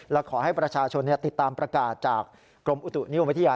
และขอให้ประชาชนติดตามประกาศจากกรมอุตุนิยมวิทยา